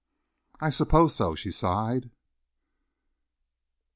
"I suppose so," she sighed.